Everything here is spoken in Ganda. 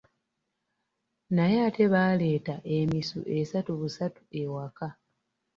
Naye ate baaleeta emisu esatu busatu ewaka.